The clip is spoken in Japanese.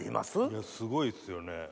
すごいっすよね。